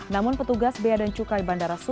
namun petugas bea dan cukai bandara